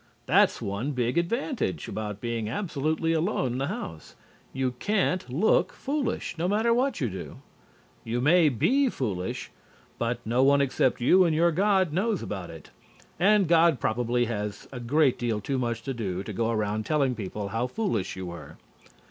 (That's one big advantage about being absolutely alone in a house. You can't look foolish, no matter what you do. You may be foolish, but no one except you and your God knows about it and God probably has a great deal too much to do to go around telling people how foolish you were).